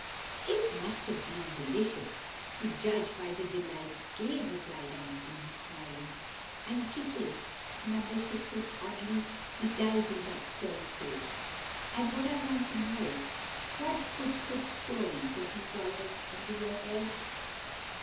"It must have been delicious, to judge by the delight it gave," replied Aunt Judy, smiling, and kissing No. 6's oddly bedizened up turned face. "But what I want to know is, what put Cook Stories, as you call them, into your head?"